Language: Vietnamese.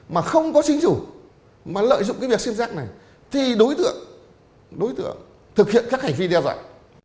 mà không có chính chủ mà lợi dụng cái việc sim rác này thì đối tượng đối tượng thực hiện các hành vi đeo dạy